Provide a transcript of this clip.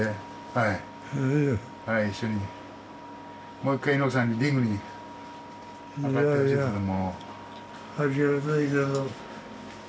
もう一回猪木さんにリングに上がってほしいんですけども。